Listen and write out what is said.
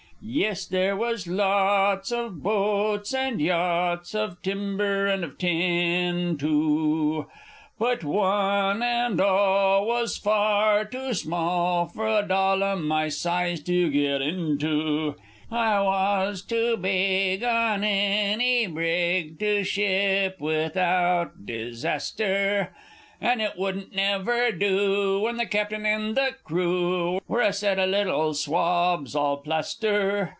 Yes, there was lots Of boats and yachts, Of timber and of tin, too; But one and all Was far too small For a doll o' my size to get into I was too big On any brig To ship without disas ter, And it wouldn't never do When the cap'n and the crew Were a set 'o little swabs all plaster!